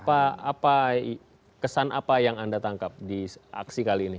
apa kesan apa yang anda tangkap di aksi kali ini